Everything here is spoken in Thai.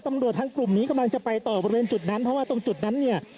ตำรวจทางกลุ่มนี้กำลังจะไปต่อบริเวณจุดนั้นเพราะว่าตรงจุดนั้นเนี่ย